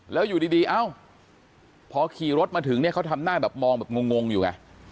แล้วอยู่ดีเอ้าพอขี่รถมาถึงเนี่ยเขาทำหน้าแบบมองแบบงงอยู่ไง